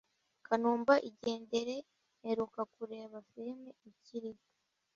kanumba igendere mperuka kureba film ukiriho